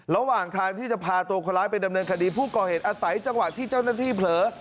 ระหว่างทางที่จะพาตัวคนร้ายไปดำเนินคดีผู้ก่อเหตุอาศัยจังหวะที่เจ้าหน้าที่เผลอ